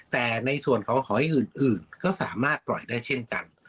แต่ในส่วนของหอยอื่นก็สามารถปล่อยได้เช่นกัน